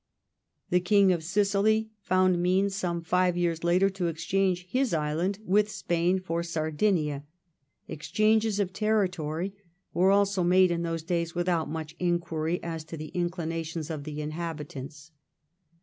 The King of Sicily found means some five years after to exchange his island with Spain for Sardinia — exchanges of territory were also made in those days without much inquiry as to the inclinations of the inhabitants.